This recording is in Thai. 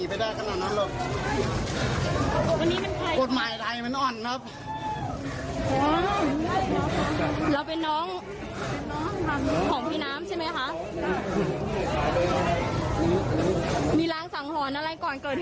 พี่อย่างงี้เห็นหน้ามันทุกคนอะไรก็สนวกมา